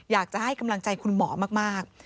อยากจะให้กำลังใจคุณหมอมาก